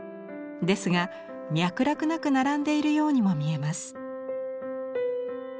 ですが脈絡なく並んでいるようにも見えます。